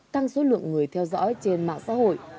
tăng số lượng người theo dõi trên mạng xã hội